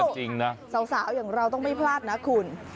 จริงนะสาวอย่างเราต้องไม่พลาดนะคุณ